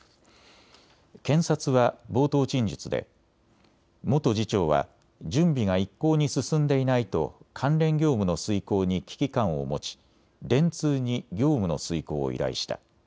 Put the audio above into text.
検察は冒頭陳述で元次長は準備が一向に進んでいないと関連業務の遂行に危機感を持ち電通に業務の遂行を依頼した。